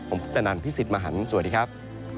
ผมพุทธนันพี่สิทธิ์มหันฯสวัสดีครับ